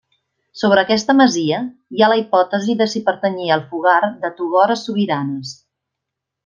Sobre aquesta masia hi ha la hipòtesi de si pertanyia al fogar de Togores Sobiranes.